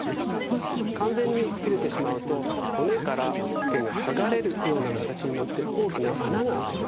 完全に切れてしまうと骨から腱が剥がれるような形になって大きな穴が開きます。